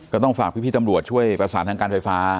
ก็ต้องฝากพี่ตำรวจช่วยประสานทางการไฟฟ้า